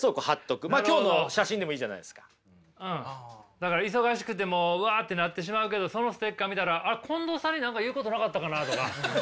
だから忙しくてもううわってなってしまうけどそのステッカー見たらあっ近藤さんに何か言うことなかったかなとか。